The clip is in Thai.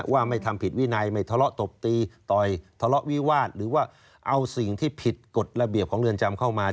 ว่าไม่ทำผิดวินัยไม่ทะเลาะตบตีต่อยทะเลาะวิวาสหรือว่าเอาสิ่งที่ผิดกฎระเบียบของเรือนจำเข้ามา